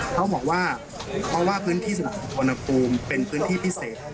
เขาบอกว่าเพราะว่าพื้นที่สุวรรณภูมิเป็นพื้นที่พิเศษ